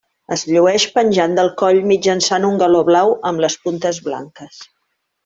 Es llueix penjant del coll mitjançant un galó blau amb les puntes blanques.